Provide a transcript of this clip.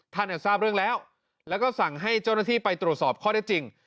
ทราบเรื่องแล้วแล้วก็สั่งให้เจ้าหน้าที่ไปตรวจสอบข้อได้จริง